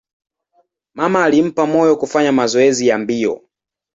Mama alimpa moyo kufanya mazoezi ya mbio.